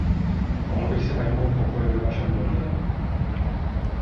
Mohl bych si najmout pokoj ve vašem domě?